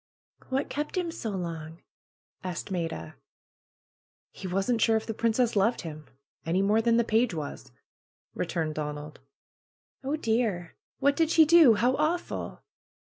''What kept him so long?" asked Maida. "He wasn't sure if the princess loved him, any more than the page was," returned Donald. PRUE'S GARDENER 205 ^'Oh, dear! What did she do? How awful!"